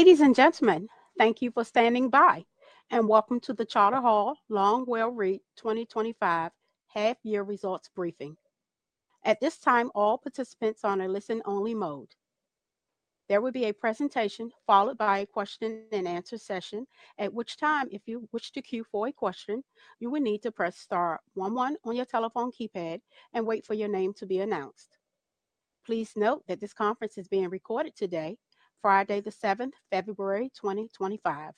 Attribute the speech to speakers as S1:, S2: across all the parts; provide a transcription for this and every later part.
S1: Ladies and gentlemen, thank you for standing by, and welcome to the Charter Hall Long WALE REIT 2025 Half Year Results briefing. At this time, all participants are on a listen-only mode. There will be a presentation followed by a question-and-answer session, at which time, if you wish to queue for a question, you will need to press star one one on your telephone keypad and wait for your name to be announced. Please note that this conference is being recorded today, Friday the 7th, February 2025.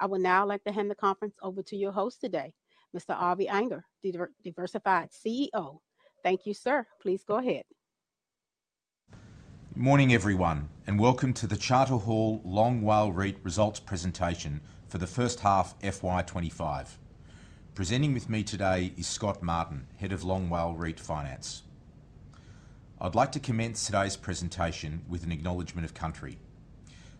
S1: I would now like to hand the conference over to your host today, Mr. Avi Anger, Diversified CEO. Thank you, sir. Please go ahead.
S2: Good morning, everyone, and welcome to the Charter Hall Long WALE REIT Results Presentation for the first half of FY 2025. Presenting with me today is Scott Martin, Head of Long WALE REIT Finance. I'd like to commence today's presentation with an acknowledgment of country.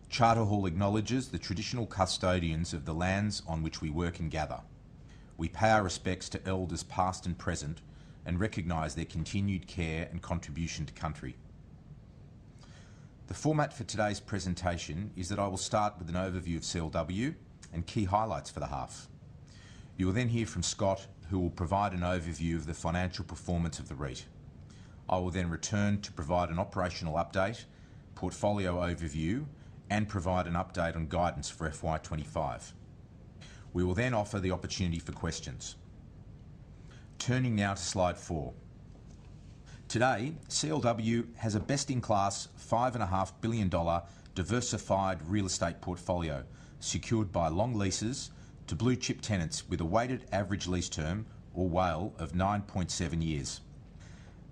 S2: Charter Hall acknowledges the traditional custodians of the lands on which we work and gather. We pay our respects to elders past and present and recognize their continued care and contribution to country. The format for today's presentation is that I will start with an overview of CLW and key highlights for the half. You will then hear from Scott, who will provide an overview of the financial performance of the REIT. I will then return to provide an operational update, portfolio overview, and provide an update on guidance for FY 2025. We will then offer the opportunity for questions. Turning now to slide four. Today, CLW has a best-in-class 5.5 billion dollar diversified real estate portfolio secured by long leases to blue-chip tenants with a weighted average lease term, or WALE, of 9.7 years.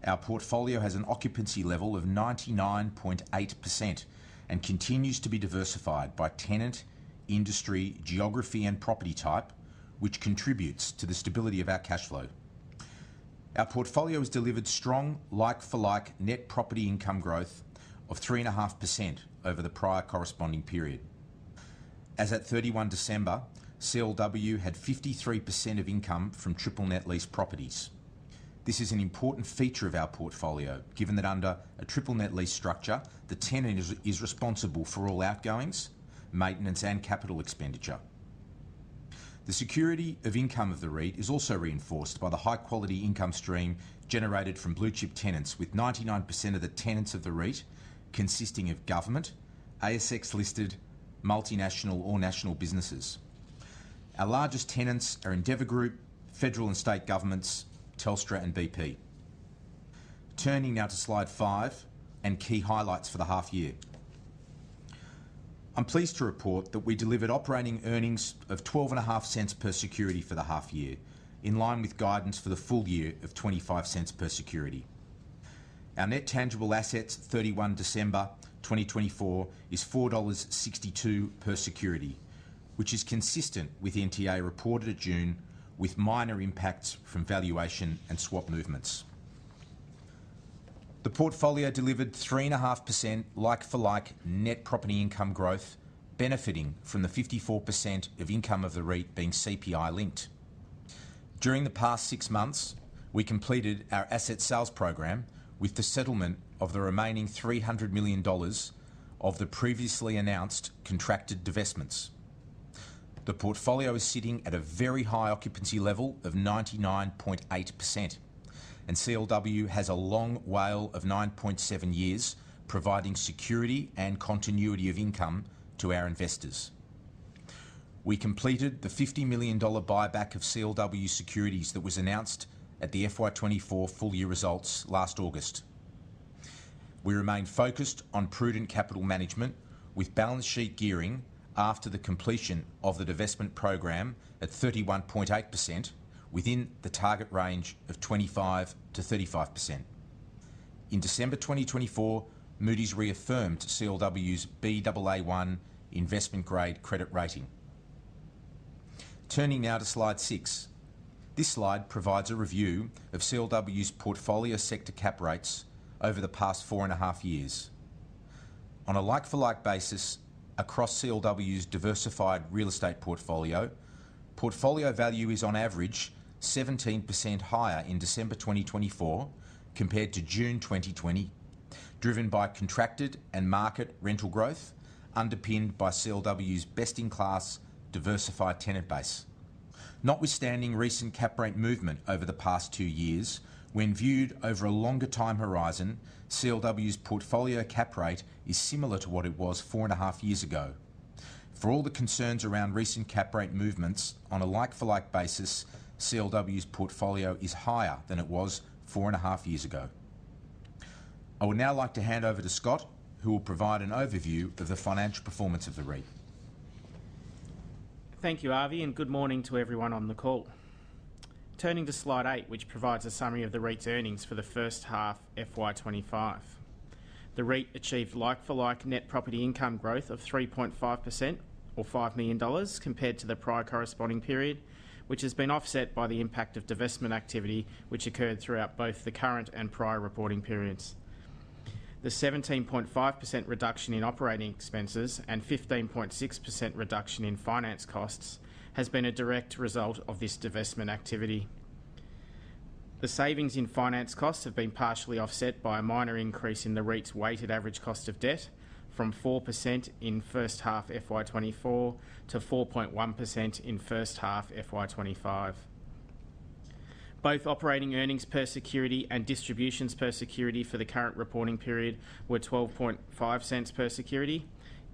S2: Our portfolio has an occupancy level of 99.8% and continues to be diversified by tenant, industry, geography, and property type, which contributes to the stability of our cash flow. Our portfolio has delivered strong like-for-like net property income growth of 3.5% over the prior corresponding period. As at 31 December, CLW had 53% of income from triple-net lease properties. This is an important feature of our portfolio, given that under a triple-net lease structure, the tenant is responsible for all outgoings, maintenance, and capital expenditure. The security of income of the REIT is also reinforced by the high-quality income stream generated from blue-chip tenants, with 99% of the tenants of the REIT consisting of government, ASX-listed multinational or national businesses. Our largest tenants are Endeavour Group, Federal and State Governments, Telstra, and BP. Turning now to slide five and key highlights for the half-year. I'm pleased to report that we delivered operating earnings of 12.50 per security for the half-year, in line with guidance for the full year of 0.25 per security. Our net tangible assets 31 December 2024 is 4.62 dollars per security, which is consistent with NTA reported in June, with minor impacts from valuation and swap movements. The portfolio delivered 3.5% like-for-like net property income growth, benefiting from the 54% of income of the REIT being CPI-linked. During the past six months, we completed our asset sales program with the settlement of the remaining 300 million dollars of the previously announced contracted divestments. The portfolio is sitting at a very high occupancy level of 99.8%, and CLW has a long WALE of 9.7 years, providing security and continuity of income to our investors. We completed the 50 million dollar buyback of CLW securities that was announced at the FY 2024 full-year results last August. We remained focused on prudent capital management with balance sheet gearing after the completion of the divestment program at 31.8%, within the target range of 25%-35%. In December 2024, Moody's reaffirmed CLW's Baa1 investment-grade credit rating. Turning now to slide six. This slide provides a review of CLW's portfolio sector cap rates over the past four and a half years. On a like-for-like basis, across CLW's diversified real estate portfolio, portfolio value is on average 17% higher in December 2024 compared to June 2020, driven by contracted and market rental growth underpinned by CLW's best-in-class diversified tenant base. Notwithstanding recent cap rate movement over the past two years, when viewed over a longer time horizon, CLW's portfolio cap rate is similar to what it was four and a half years ago. For all the concerns around recent cap rate movements, on a like-for-like basis, CLW's portfolio is higher than it was four and a half years ago. I would now like to hand over to Scott, who will provide an overview of the financial performance of the REIT.
S3: Thank you, Avi, and good morning to everyone on the call. Turning to slide eight, which provides a summary of the REIT's earnings for the first half of FY 2025. The REIT achieved like-for-like net property income growth of 3.5%, or 5 million dollars, compared to the prior corresponding period, which has been offset by the impact of divestment activity, which occurred throughout both the current and prior reporting periods. The 17.5% reduction in operating expenses and 15.6% reduction in finance costs has been a direct result of this divestment activity. The savings in finance costs have been partially offset by a minor increase in the REIT's weighted average cost of debt from 4% in first half of FY 2024 to 4.1% in first half of FY 2025. Both operating earnings per security and distributions per security for the current reporting period were 0.125 per security,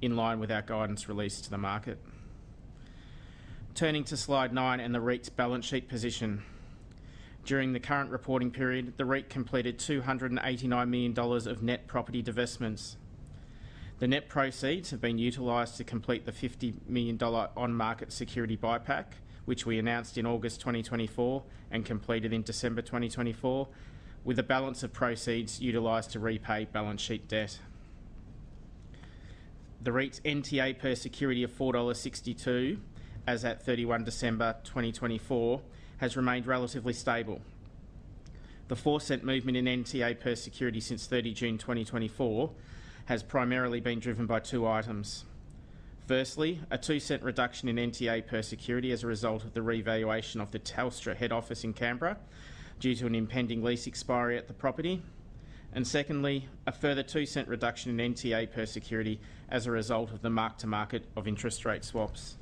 S3: in line with our guidance released to the market. Turning to slide nine and the REIT's balance sheet position. During the current reporting period, the REIT completed 289 million dollars of net property divestments. The net proceeds have been utilized to complete the 50 million dollar on-market security buyback, which we announced in August 2024 and completed in December 2024, with a balance of proceeds utilized to repay balance sheet debt. The REIT's NTA per security of 4.62 dollar, as at 31 December 2024, has remained relatively stable. The four-cent movement in NTA per security since 30 June 2024 has primarily been driven by two items. Firstly, a 0.02 reduction in NTA per security as a result of the revaluation of the Telstra head office in Canberra due to an impending lease expiry at the property. And secondly, a further 0.02 reduction in NTA per security as a result of the mark-to-market of interest rate swaps.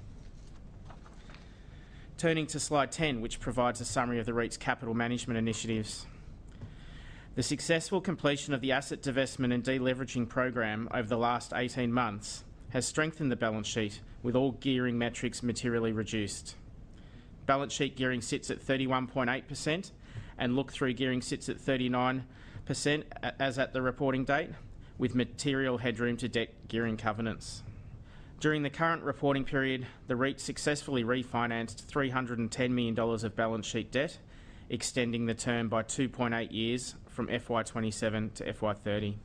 S3: Turning to slide 10, which provides a summary of the REIT's capital management initiatives. The successful completion of the asset divestment and deleveraging program over the last 18 months has strengthened the balance sheet, with all gearing metrics materially reduced. Balance sheet gearing sits at 31.8%, and look-through gearing sits at 39% as at the reporting date, with material headroom to debt gearing covenants. During the current reporting period, the REIT successfully refinanced 310 million dollars of balance sheet debt, extending the term by 2.8 years from FY 2027 to FY 2030.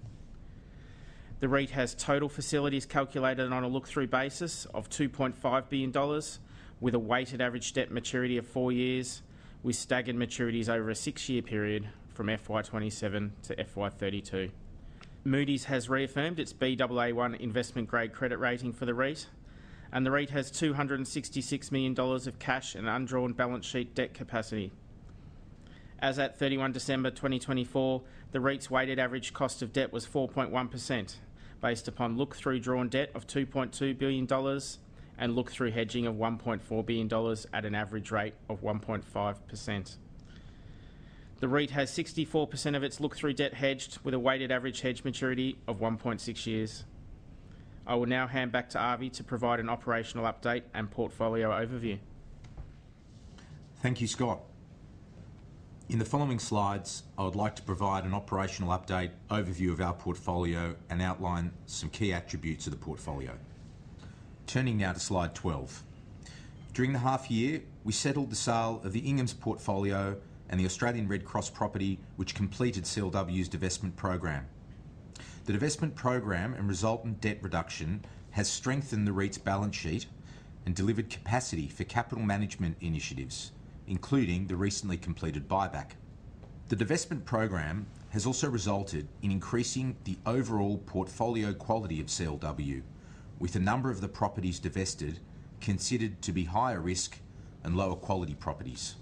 S3: The REIT has total facilities calculated on a look-through basis of 2.5 billion dollars, with a weighted average debt maturity of four years, with staggered maturities over a six-year period from FY 2027 to FY 2032. Moody's has reaffirmed its Baa1 investment-grade credit rating for the REIT, and the REIT has 266 million dollars of cash and undrawn balance sheet debt capacity. As at 31 December 2024, the REIT's weighted average cost of debt was 4.1%, based upon look-through drawn debt of 2.2 billion dollars and look-through hedging of 1.4 billion dollars at an average rate of 1.5%. The REIT has 64% of its look-through debt hedged, with a weighted average hedge maturity of 1.6 years. I will now hand back to Avi to provide an operational update and portfolio overview.
S2: Thank you, Scott. In the following slides, I would like to provide an operational update overview of our portfolio and outline some key attributes of the portfolio. Turning now to slide 12. During the half-year, we settled the sale of the Ingham's portfolio and the Australian Red Cross property, which completed CLW's divestment program. The divestment program and resultant debt reduction has strengthened the REIT's balance sheet and delivered capacity for capital management initiatives, including the recently completed buyback. The divestment program has also resulted in increasing the overall portfolio quality of CLW, with a number of the properties divested considered to be higher risk and lower quality properties.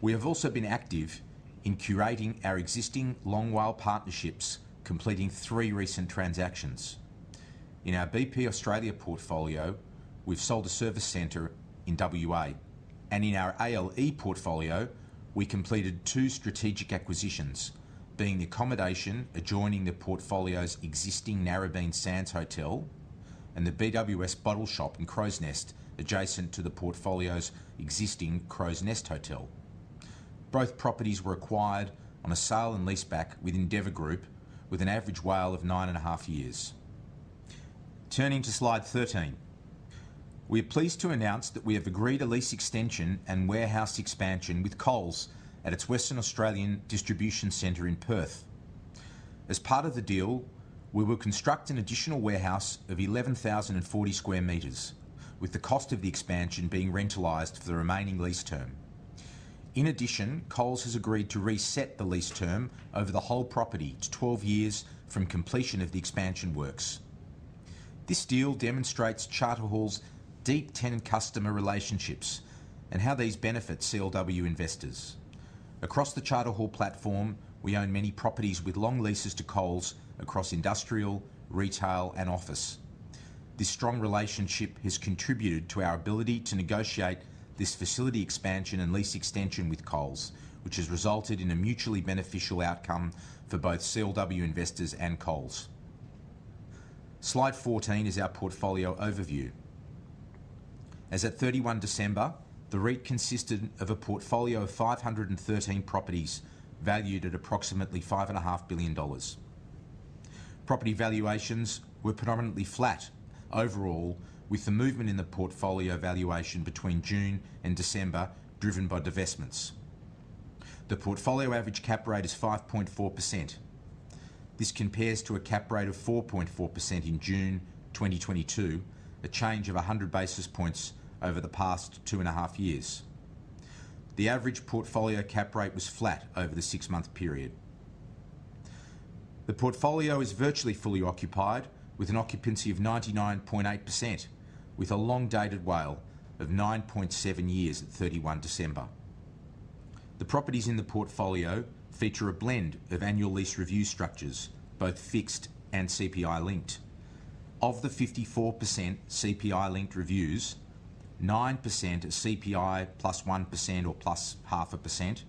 S2: We have also been active in curating our existing long WALE partnerships, completing three recent transactions. In our BP Australia portfolio, we've sold a service center in WA, and in our ALE portfolio, we completed two strategic acquisitions, being the accommodation adjoining the portfolio's existing Narrabeen Sands Hotel and the BWS bottle shop in Crows Nest, adjacent to the portfolio's existing Crows Nest Hotel. Both properties were acquired on a sale and lease back with Endeavour Group, with an average WALE of nine and a half years. Turning to slide 13, we are pleased to announce that we have agreed a lease extension and warehouse expansion with Coles at its Western Australian Distribution Centre in Perth. As part of the deal, we will construct an additional warehouse of 11,040 square meters, with the cost of the expansion being rentalized for the remaining lease term. In addition, Coles has agreed to reset the lease term over the whole property to 12 years from completion of the expansion works. This deal demonstrates Charter Hall's deep tenant-customer relationships and how these benefit CLW investors. Across the Charter Hall platform, we own many properties with long leases to Coles across industrial, retail, and office. This strong relationship has contributed to our ability to negotiate this facility expansion and lease extension with Coles, which has resulted in a mutually beneficial outcome for both CLW investors and Coles. Slide14 is our portfolio overview. As at 31 December, the REIT consisted of a portfolio of 513 properties valued at approximately 5.5 billion dollars. Property valuations were predominantly flat overall, with the movement in the portfolio valuation between June and December driven by divestments. The portfolio average cap rate is 5.4%. This compares to a cap rate of 4.4% in June 2022, a change of 100 basis points over the past two and a half years. The average portfolio cap rate was flat over the six-month period. The portfolio is virtually fully occupied, with an occupancy of 99.8%, with a long-dated WALE of 9.7 years at 31 December. The properties in the portfolio feature a blend of annual lease review structures, both fixed and CPI-linked. Of the 54% CPI-linked reviews, 9% are CPI plus 1% or plus half a percent,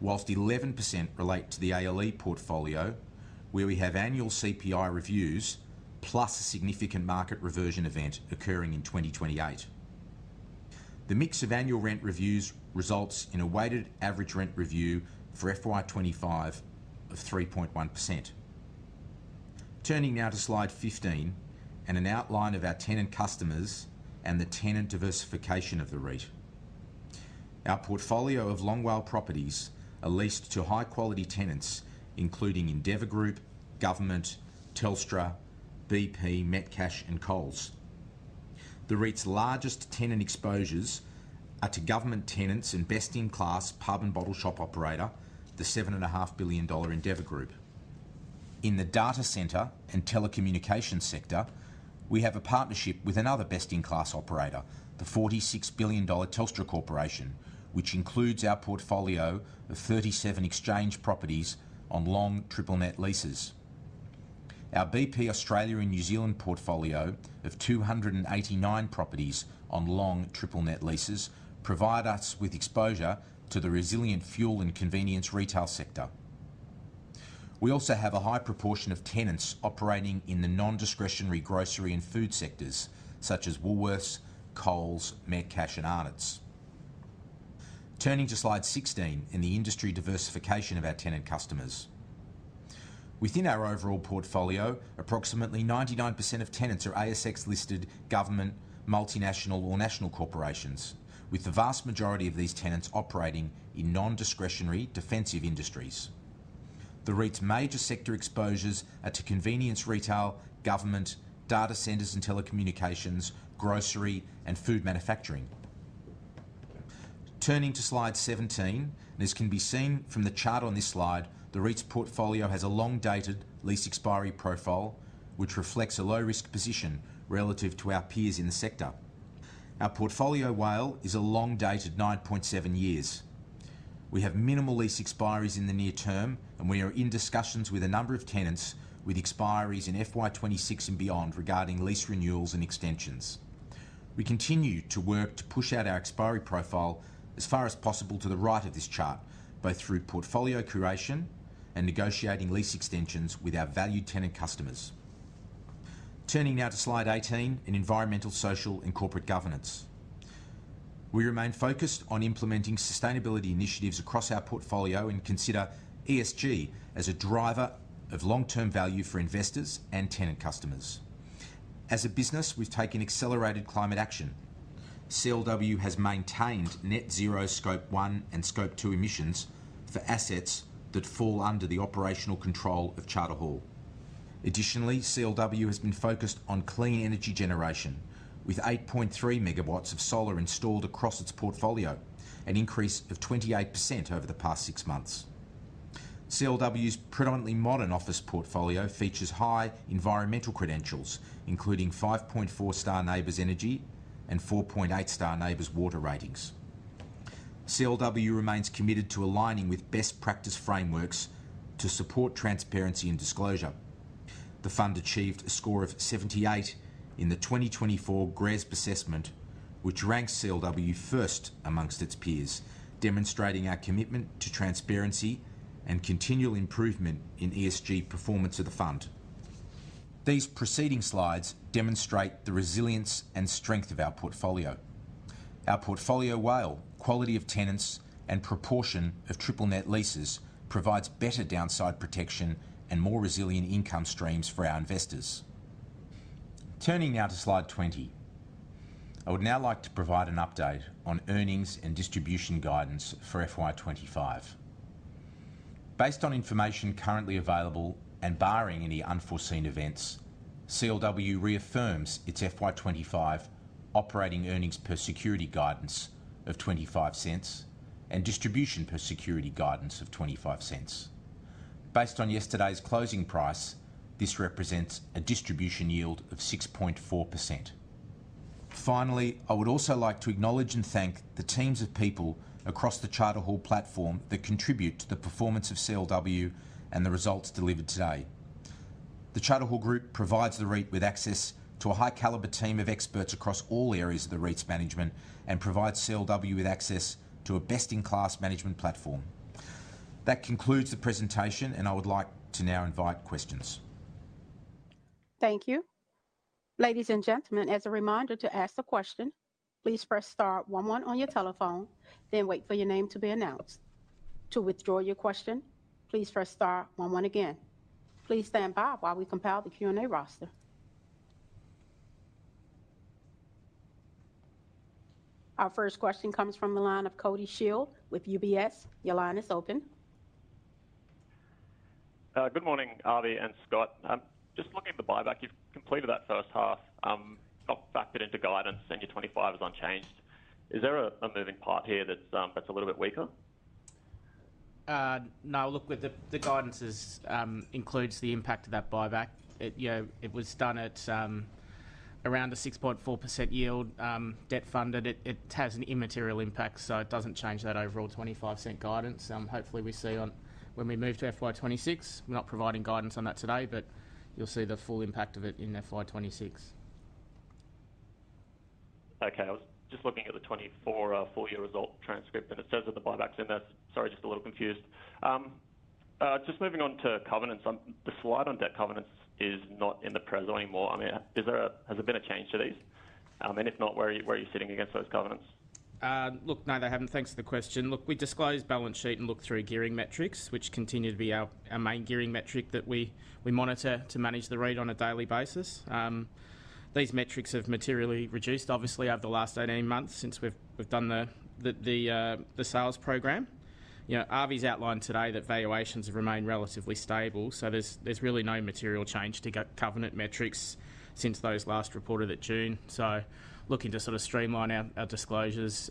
S2: while 11% relate to the ALE portfolio, where we have annual CPI reviews plus a significant market reversion event occurring in 2028. The mix of annual rent reviews results in a weighted average rent review for FY 2025 of 3.1%. Turning now to slide 15 and an outline of our tenant customers and the tenant diversification of the REIT. Our portfolio of long WALE properties are leased to high-quality tenants, including Endeavour Group, Governments, Telstra, BP, Metcash, and Coles. The REIT's largest tenant exposures are to government tenants and best-in-class pub and bottle shop operator, the 7.5 billion dollar Endeavour Group. In the Data Centre and Telecommunication sector, we have a partnership with another best-in-class operator, the 46 billion dollar Telstra Corporation, which includes our portfolio of 37 exchange properties on long triple-net leases. Our BP Australia and New Zealand portfolio of 289 properties on long triple-net leases provide us with exposure to the resilient fuel and convenience retail sector. We also have a high proportion of tenants operating in the non-discretionary Grocery and Food sectors, such as Woolworths, Coles, Metcash, and Arnott's. Turning to slide 16 and the industry diversification of our tenant customers. Within our overall portfolio, approximately 99% of tenants are ASX-listed government, multinational, or national corporations, with the vast majority of these tenants operating in non-discretionary defensive industries. The REIT's major sector exposures are to Convenience Retail, Government, Data Centres and Telecommunications, Grocery, and Food Manufacturing. Turning to slide 17, as can be seen from the chart on this slide, the REIT's portfolio has a long-dated lease expiry profile, which reflects a low-risk position relative to our peers in the sector. Our portfolio WALE is a long-dated 9.7 years. We have minimal lease expiries in the near term, and we are in discussions with a number of tenants with expiries in FY 2026 and beyond regarding lease renewals and extensions. We continue to work to push out our expiry profile as far as possible to the right of this chart, both through portfolio curation and negotiating lease extensions with our valued tenant customers. Turning now to slide 18 and environmental, social, and corporate governance. We remain focused on implementing sustainability initiatives across our portfolio and consider ESG as a driver of long-term value for investors and tenant customers. As a business, we've taken accelerated climate action. CLW has maintained Net Zero Scope 1 and Scope 2 emissions for assets that fall under the operational control of Charter Hall. Additionally, CLW has been focused on clean energy generation, with 8.3 MW of solar installed across its portfolio, an increase of 28% over the past six months. CLW's predominantly modern office portfolio features high environmental credentials, including 5.4 Star NABERS Energy and 4.8 Star NABERS Water ratings. CLW remains committed to aligning with best practice frameworks to support transparency and disclosure. The fund achieved a score of 78 in the 2024 GRESB assessment, which ranks CLW first among its peers, demonstrating our commitment to transparency and continual improvement in ESG performance of the fund. These preceding slides demonstrate the resilience and strength of our portfolio. Our portfolio WALE, quality of tenants, and proportion of triple-net leases provides better downside protection and more resilient income streams for our investors. Turning now to slide 20, I would now like to provide an update on earnings and distribution guidance for FY 2025. Based on information currently available and barring any unforeseen events, CLW reaffirms its FY 2025 operating earnings per security guidance of 0.25 and distribution per security guidance of 0.25. Based on yesterday's closing price, this represents a distribution yield of 6.4%. Finally, I would also like to acknowledge and thank the teams of people across the Charter Hall platform that contribute to the performance of CLW and the results delivered today. The Charter Hall Group provides the REIT with access to a high-caliber team of experts across all areas of the REIT's management and provides CLW with access to a best-in-class management platform. That concludes the presentation, and I would like to now invite questions.
S1: Thank you. Ladies and gentlemen, as a reminder to ask a question, please press star one one on your telephone, then wait for your name to be announced. To withdraw your question, please press star one one again. Please stand by while we compile the Q&A roster. Our first question comes from the line of Cody Shield with UBS. Your line is open.
S4: Good morning, Avi and Scott. Just looking at the buyback, you've completed that first half, not factored into guidance, and your 2025 is unchanged. Is there a moving part here that's a little bit weaker?
S3: No, look, the guidance includes the impact of that buyback. It was done at around a 6.4% yield, debt funded. It has an immaterial impact, so it doesn't change that overall 0.25 guidance. Hopefully, we see when we move to FY 2026. We're not providing guidance on that today, but you'll see the full impact of it in FY 2026.
S4: Okay, I was just looking at the 24 full-year result transcript, and it says that the buyback's in there. Sorry, just a little confused. Just moving on to covenants, the slide on debt covenants is not in the portal anymore. I mean, has there been a change to these? And if not, where are you sitting against those covenants?
S3: Look, no, they haven't. Thanks for the question. Look, we disclosed balance sheet and look-through gearing metrics, which continue to be our main gearing metric that we monitor to manage the REIT on a daily basis. These metrics have materially reduced, obviously, over the last 18 months since we've done the sales program. Avi's outlined today that valuations have remained relatively stable, so there's really no material change to covenant metrics since those last reported at June, so looking to sort of streamline our disclosures,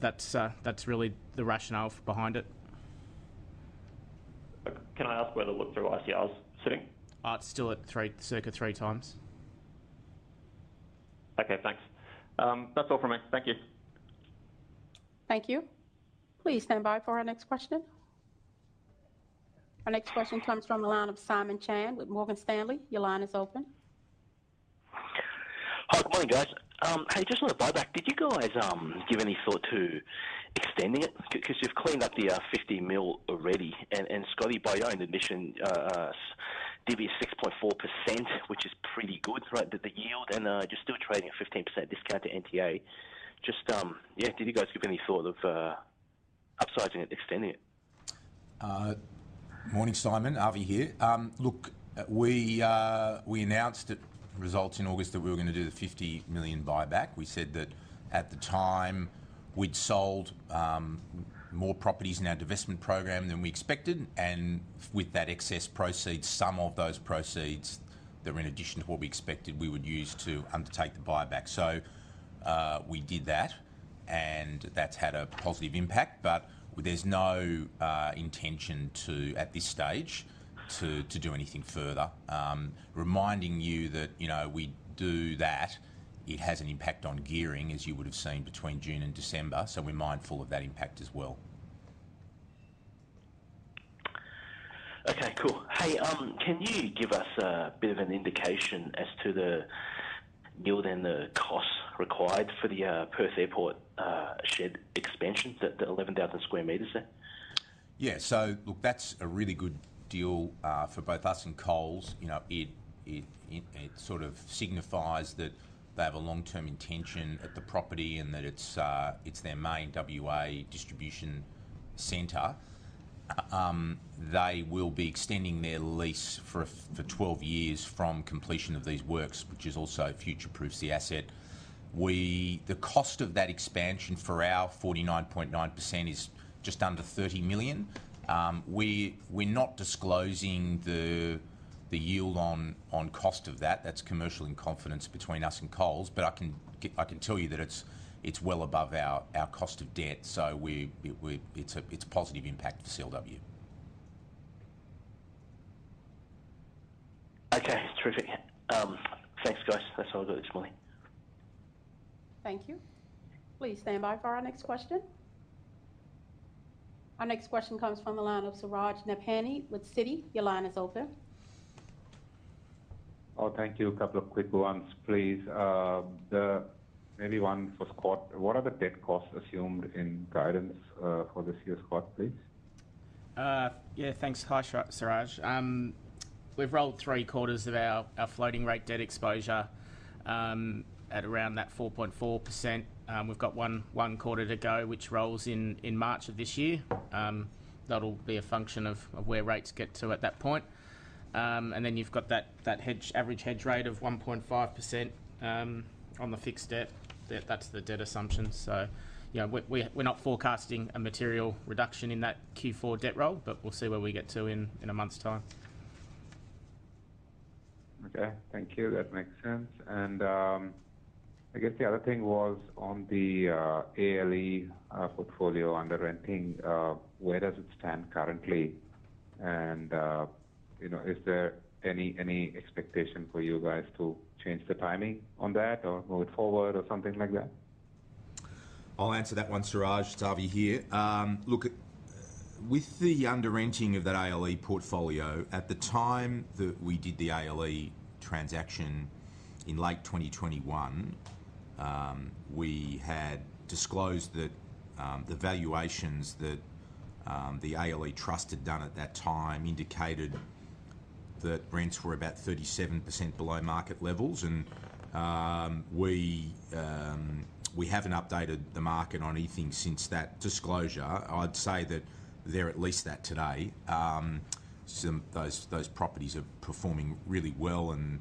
S3: that's really the rationale behind it.
S4: Can I ask where the look-through ICR's sitting?
S3: It's still at circa three times.
S4: Okay, thanks. That's all from me. Thank you.
S1: Thank you. Please stand by for our next question. Our next question comes from Simon Chan with Morgan Stanley. Your line is open.
S5: Hi, good morning, guys. Hey, just on the buyback, did you guys give any thought to extending it? Because you've cleaned up the 50 million already. And Scott, by your own admission, did you see 6.4%, which is pretty good, right, the yield? And you're still trading at a 15% discount to NTA. Just, yeah, did you guys give any thought of upsizing it, extending it?
S2: Morning, Simon. Avi here. Look, we announced at results in August that we were going to do the 50 million buyback. We said that at the time we'd sold more properties in our divestment program than we expected, and with that excess proceeds, some of those proceeds that were in addition to what we expected, we would use to undertake the buyback. So we did that, and that's had a positive impact. But there's no intention at this stage to do anything further. Reminding you that we do that, it has an impact on gearing, as you would have seen between June and December, so we're mindful of that impact as well.
S5: Okay, cool. Hey, can you give us a bit of an indication as to the yield and the cost required for the Perth Airport shed expansion, the 11,000 square meters there?
S2: Yeah, so look, that's a really good deal for both us and Coles. It sort of signifies that they have a long-term intention at the property and that it's their main WA distribution center. They will be extending their lease for 12 years from completion of these works, which also future-proofs the asset. The cost of that expansion for our 49.9% is just under 30 million. We're not disclosing the yield on cost of that. That's commercial and confidence between us and Coles, but I can tell you that it's well above our cost of debt, so it's a positive impact for CLW.
S5: Okay, terrific. Thanks, guys. That's all I've got this morning.
S1: Thank you. Please stand by for our next question. Our next question comes from the line of Suraj Nebhani with Citi. Your line is open.
S6: Oh, thank you. A couple of quick ones, please. Maybe one for Scott. What are the debt costs assumed in guidance for this year, Scott, please?
S3: Yeah, thanks, Suraj. We've rolled three quarters of our floating rate debt exposure at around that 4.4%. We've got one quarter to go, which rolls in March of this year. That'll be a function of where rates get to at that point. And then you've got that average hedge rate of 1.5% on the fixed debt. That's the debt assumption. So we're not forecasting a material reduction in that Q4 debt roll, but we'll see where we get to in a month's time.
S6: Okay, thank you. That makes sense. And I guess the other thing was on the ALE portfolio under renting, where does it stand currently? And is there any expectation for you guys to change the timing on that or move it forward or something like that?
S2: I'll answer that one, Suraj. It's Avi here. Look, with the under renting of that ALE portfolio, at the time that we did the ALE transaction in late 2021, we had disclosed that the valuations that the ALE trust had done at that time indicated that rents were about 37% below market levels, and we haven't updated the market on anything since that disclosure. I'd say that they're at least that today. Those properties are performing really well, and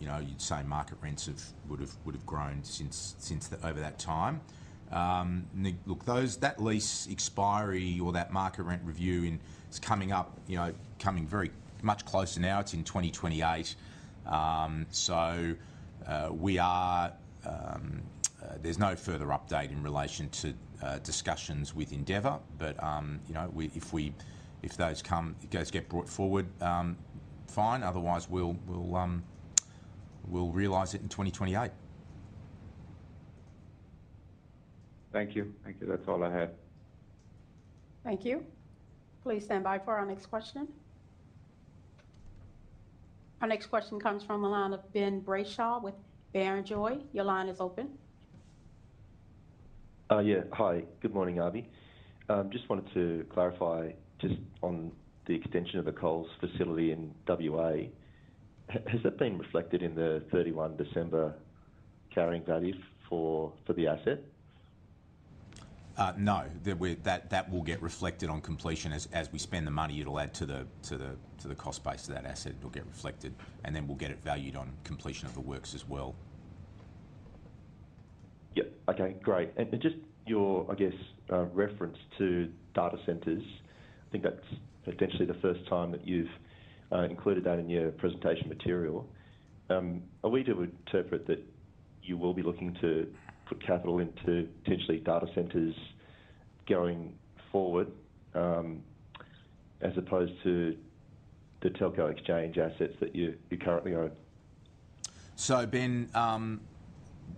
S2: you'd say market rents would have grown over that time. Look, that lease expiry or that market rent review, it's coming up, coming very much closer now. It's in 2028, so there's no further update in relation to discussions with Endeavour, but if those get brought forward, fine. Otherwise, we'll realize it in 2028.
S6: Thank you. Thank you. That's all I had.
S1: Thank you. Please stand by for our next question. Our next question comes from the line of Ben Brayshaw with Barrenjoey. Your line is open.
S7: Yeah, hi. Good morning, Avi. Just wanted to clarify just on the extension of the Coles facility in WA. Has that been reflected in the 31 December carrying value for the asset?
S2: No, that will get reflected on completion. As we spend the money, it'll add to the cost base of that asset. It'll get reflected, and then we'll get it valued on completion of the works as well.
S7: Yep. Okay, great, and just your, I guess, reference to data centers, I think that's potentially the first time that you've included that in your presentation material. Are we to interpret that you will be looking to put capital into potentially data centers going forward as opposed to the telco exchange assets that you currently own?
S2: So, Ben,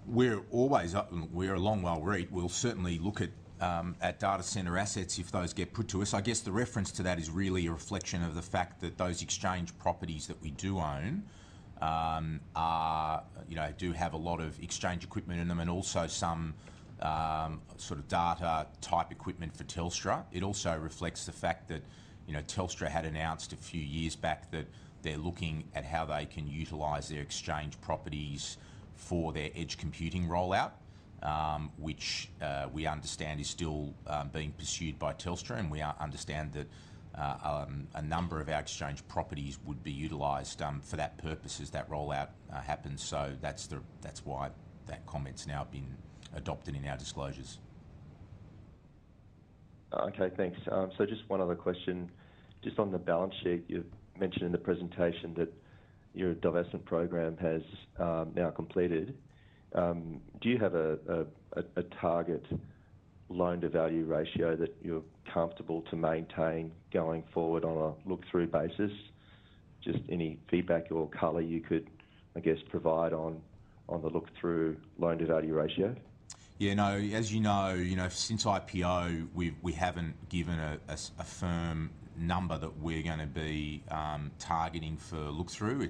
S2: we're always up. We're a long WALE REIT. We'll certainly look at data center assets if those get put to us. I guess the reference to that is really a reflection of the fact that those exchange properties that we do own do have a lot of exchange equipment in them and also some sort of data type equipment for Telstra. It also reflects the fact that Telstra had announced a few years back that they're looking at how they can utilize their exchange properties for their edge computing rollout, which we understand is still being pursued by Telstra. And we understand that a number of our exchange properties would be utilized for that purpose as that rollout happens. So that's why that comment's now been adopted in our disclosures.
S7: Okay, thanks. So just one other question. Just on the balance sheet, you've mentioned in the presentation that your divestment program has now completed. Do you have a target loan-to-value ratio that you're comfortable to maintain going forward on a look-through basis? Just any feedback or color you could, I guess, provide on the look-through loan-to-value ratio?
S2: Yeah, no, as you know, since IPO, we haven't given a firm number that we're going to be targeting for look-through.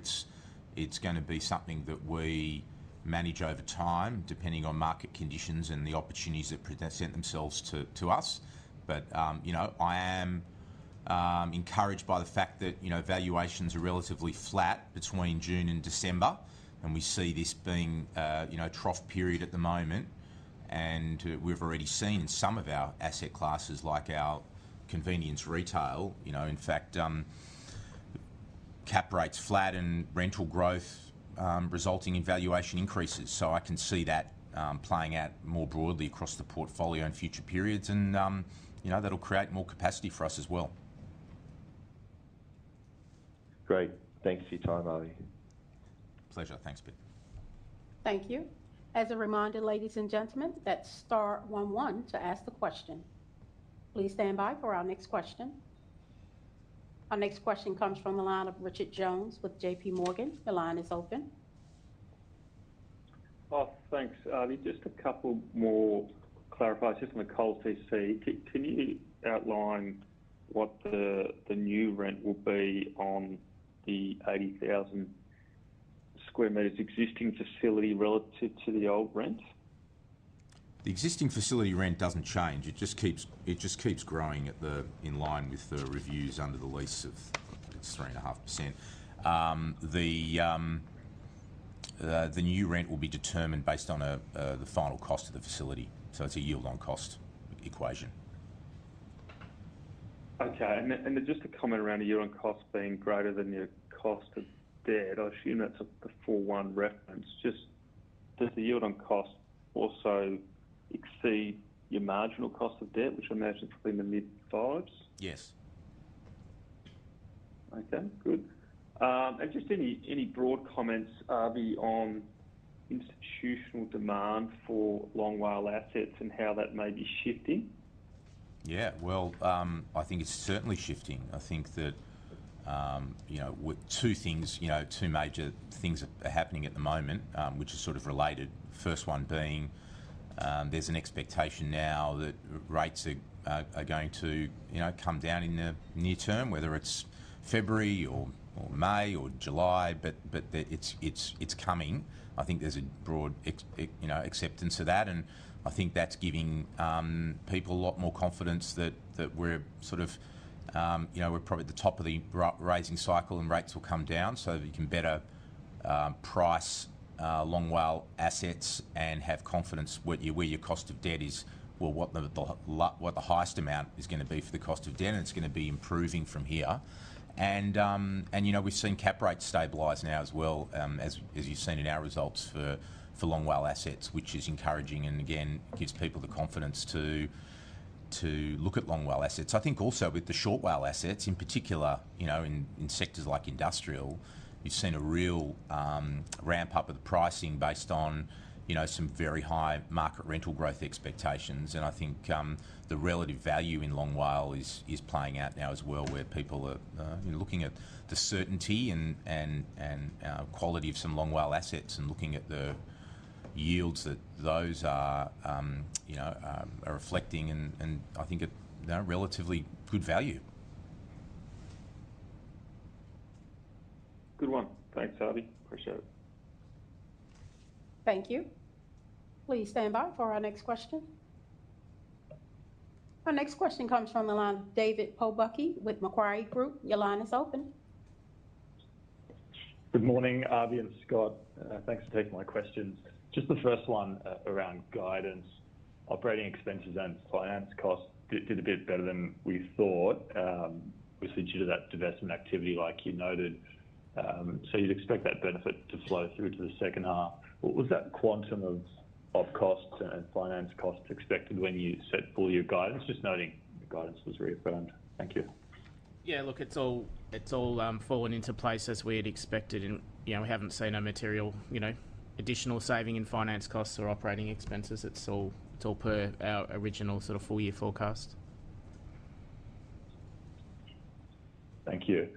S2: It's going to be something that we manage over time, depending on market conditions and the opportunities that present themselves to us, but I am encouraged by the fact that valuations are relatively flat between June and December, and we see this being a trough period at the moment, and we've already seen in some of our asset classes, like our convenience retail, in fact, cap rates flatten rental growth, resulting in valuation increases, so I can see that playing out more broadly across the portfolio in future periods, and that'll create more capacity for us as well.
S7: Great. Thanks for your time, Avi.
S2: Pleasure. Thanks, Ben.
S1: Thank you. As a reminder, ladies and gentlemen, that's star one one to ask the question. Please stand by for our next question. Our next question comes from the line of Richard Jones with JPMorgan. Your line is open.
S8: Oh, thanks. Just a couple more clarifiers. Just on the Coles piece to see, can you outline what the new rent will be on the 80,000 square meters existing facility relative to the old rent?
S2: The existing facility rent doesn't change. It just keeps growing in line with the reviews under the lease of 3.5%. The new rent will be determined based on the final cost of the facility. So it's a yield-on-cost equation.
S8: Okay. And just a comment around the yield-on-cost being greater than your cost of debt, I assume that's a 4.1 reference. Does the yield-on-cost also exceed your marginal cost of debt, which I imagine is between the mid-fives?
S2: Yes.
S8: Okay, good. And just any broad comments, Avi, on institutional demand for Long WALE assets and how that may be shifting?
S2: Yeah, well, I think it's certainly shifting. I think that two things, two major things are happening at the moment, which are sort of related. First one being, there's an expectation now that rates are going to come down in the near term, whether it's February or May or July, but it's coming. I think there's a broad acceptance of that, and I think that's giving people a lot more confidence that we're sort of, we're probably at the top of the rising cycle and rates will come down so that you can better price long WALE assets and have confidence where your cost of debt is, well, what the highest amount is going to be for the cost of debt, and it's going to be improving from here. We've seen cap rates stabilize now as well, as you've seen in our results for Long WALE assets, which is encouraging and, again, gives people the confidence to look at Long WALE assets. I think also with the short WALE assets, in particular, in sectors like industrial, you've seen a real ramp-up of the pricing based on some very high market rental growth expectations. I think the relative value in Long WALE is playing out now as well, where people are looking at the certainty and quality of some Long WALE assets and looking at the yields that those are reflecting. I think they're relatively good value.
S8: Good one. Thanks, Avi. Appreciate it.
S1: Thank you. Please stand by for our next question. Our next question comes from David Pobucky with Macquarie Group. Your line is open.
S9: Good morning, Avi and Scott. Thanks for taking my questions. Just the first one around guidance, operating expenses and finance costs did a bit better than we thought, obviously due to that divestment activity like you noted. So you'd expect that benefit to flow through to the second half. Was that quantum of costs and finance costs expected when you set for your guidance? Just noting the guidance was reaffirmed. Thank you.
S3: Yeah, look, it's all fallen into place as we had expected, and we haven't seen a material additional saving in finance costs or operating expenses. It's all per our original sort of four-year forecast.
S9: Thank you.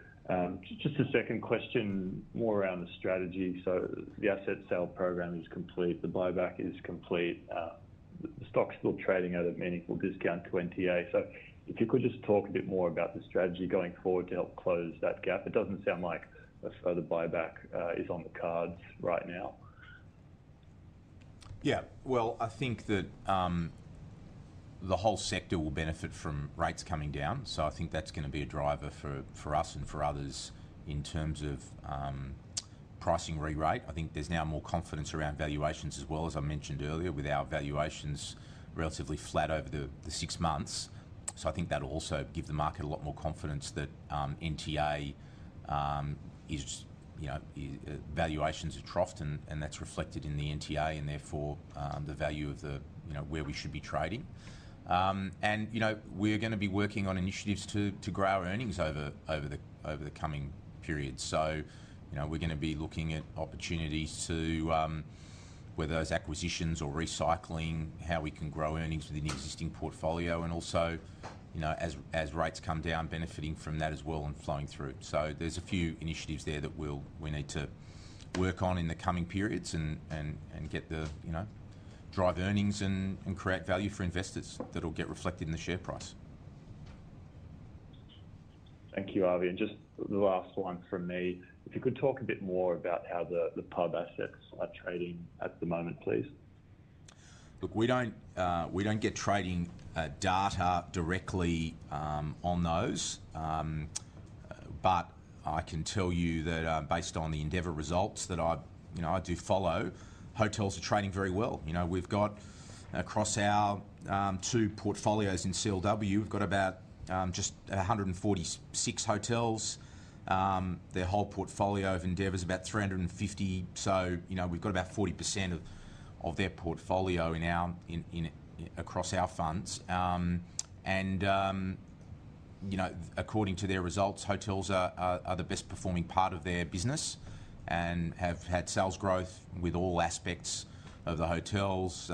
S9: Just a second question, more around the strategy, so the asset sale program is complete. The buyback is complete. The stock's still trading at a meaningful discount to NTA, so if you could just talk a bit more about the strategy going forward to help close that gap. It doesn't sound like a further buyback is on the cards right now.
S2: Yeah. Well, I think that the whole sector will benefit from rates coming down. So I think that's going to be a driver for us and for others in terms of pricing re-rate. I think there's now more confidence around valuations as well, as I mentioned earlier, with our valuations relatively flat over the six months. So I think that'll also give the market a lot more confidence that NTA valuations are troughed, and that's reflected in the NTA and therefore the value of where we should be trading. And we're going to be working on initiatives to grow our earnings over the coming period. So we're going to be looking at opportunities to, whether it's acquisitions or recycling, how we can grow earnings within the existing portfolio. And also, as rates come down, benefiting from that as well and flowing through. So there's a few initiatives there that we need to work on in the coming periods and get the drive earnings and create value for investors that'll get reflected in the share price.
S9: Thank you, Avi, and just the last one from me. If you could talk a bit more about how the pub assets are trading at the moment, please.
S2: Look, we don't get trading data directly on those. But I can tell you that based on the Endeavour results that I do follow, hotels are trading very well. We've got across our two portfolios in CLW, we've got about just 146 hotels. Their whole portfolio of Endeavour is about 350. So we've got about 40% of their portfolio across our funds. And according to their results, hotels are the best-performing part of their business and have had sales growth with all aspects of the hotels: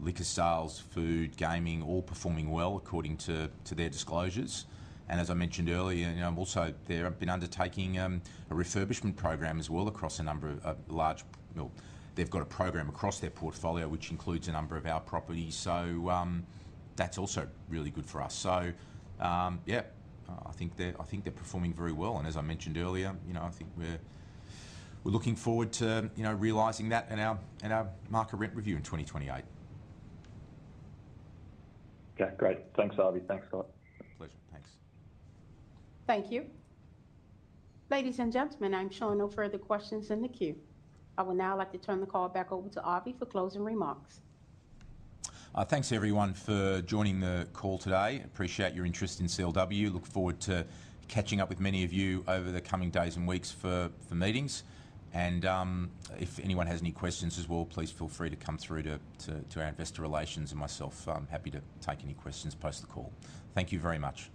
S2: liquor sales, food, gaming, all performing well according to their disclosures. And as I mentioned earlier, also, they've been undertaking a refurbishment program as well across a number of large, well, they've got a program across their portfolio, which includes a number of our properties. So that's also really good for us. So yeah, I think they're performing very well. As I mentioned earlier, I think we're looking forward to realizing that in our market rent review in 2028.
S9: Okay, great. Thanks, Avi. Thanks, Scott.
S2: Pleasure. Thanks.
S3: Thank you. Ladies and gentlemen, I'm showing no further questions in the queue. I would now like to turn the call back over to Avi for closing remarks.
S2: Thanks, everyone, for joining the call today. I appreciate your interest in CLW. I look forward to catching up with many of you over the coming days and weeks for meetings, and if anyone has any questions as well, please feel free to come through to our Investor Relations, and myself, I'm happy to take any questions post the call. Thank you very much.